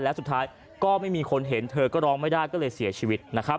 และสุดท้ายก็ไม่มีคนเห็นเธอก็ร้องไม่ได้ก็เลยเสียชีวิตนะครับ